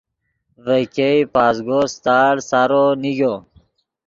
ڤے ګئے پازگو ستاڑ سارو نیگو۔